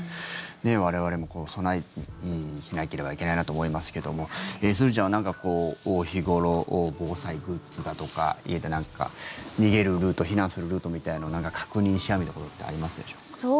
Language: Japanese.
我々も備えをしなければいけないなと思いますけどもすずちゃんは、なんか日頃防災グッズだとか家でなんか逃げるルート避難するルートみたいなのを確認したみたいなことってありますでしょうか。